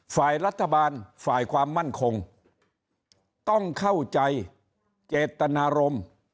ฝ่ายรัฐบาลฝ่ายความมั่นคงต้องเข้าใจเจตนารมณ์